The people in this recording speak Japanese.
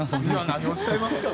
何をおっしゃいますか。